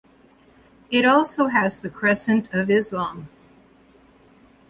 It also has the crescent of Islam.